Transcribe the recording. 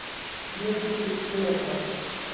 Dios egipcio de la muerte.